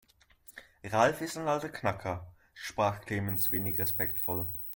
Ralf ist ein alter Knacker, sprach Clemens wenig respektvoll.